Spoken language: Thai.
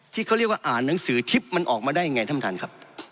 ที่เขาเรียกว่าอ่านหนังสือทิพย์มันออกมาได้ยังไงท่านท่านครับ